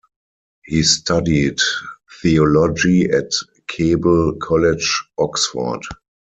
He studied theology at Keble College, Oxford.